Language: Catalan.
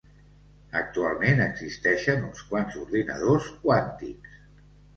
Actualment existeixen uns quants ordinadors quàntics.